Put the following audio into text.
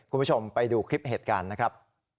คุณผู้ชมไปดูคลิปเหตุการณ์นะครับ